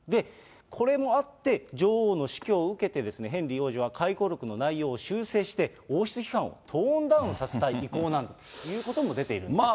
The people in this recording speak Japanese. これもあって、女王の死去を受けて、ヘンリー王子は回顧録の内容を修正して、王室批判をトーンダウンさせたい意向なんだと出ているんです。